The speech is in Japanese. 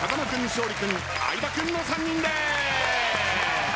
勝利君相葉君の３人です。